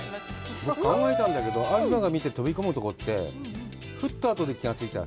考えたんだけど、東が見て、飛び込むところって、ふっと後で気がついた。